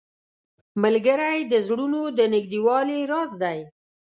ملګری د زړونو د نږدېوالي راز دی